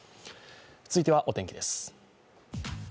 続いてはお天気です。